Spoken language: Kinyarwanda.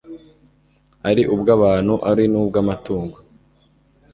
ari ubw'abantu, ari n'ubw'amatungo